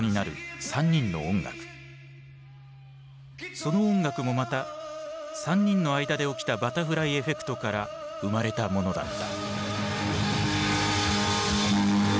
その音楽もまた３人の間で起きたバタフライエフェクトから生まれたものだった。